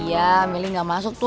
iya milih gak masuk tuh